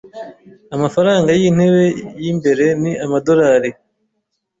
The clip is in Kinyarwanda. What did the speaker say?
Amafaranga yintebe yimbere ni amadorari .